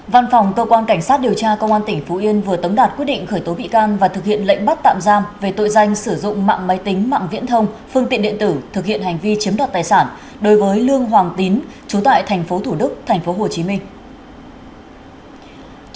văn phòng cơ quan cảnh sát điều tra công an tỉnh phú yên vừa tống đạt quyết định khởi tố bị can và thực hiện lệnh bắt tạm giam về tội danh sử dụng mạng máy tính mạng viễn thông phương tiện điện tử thực hiện hành vi chiếm đoạt tài sản đối với lương hoàng tín trú tại tp thủ đức tp hcm